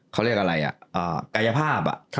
เขาเรียกอะไรกายภาพ